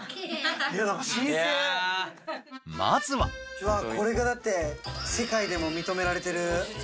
まずはこれがだって世界でも認められてる。